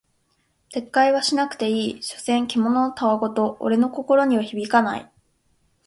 撤回はしなくていい、所詮獣の戯言俺の心には響かない。